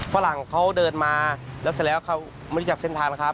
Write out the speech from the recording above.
ฝรั่งเขาเดินมาแล้วเสร็จแล้วเขาไม่รู้จักเส้นทางนะครับ